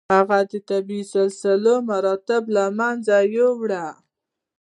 هغه طبیعي سلسله مراتب له منځه یووړه.